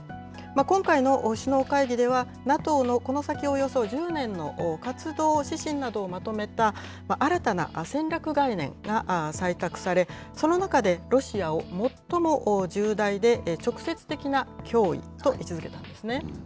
今回の首脳会議では、ＮＡＴＯのこの先およそ１０年の活動指針などをまとめた、新たな戦略概念が採択され、その中で、ロシアを最も重大で直接的な脅威と位置づけたんですね。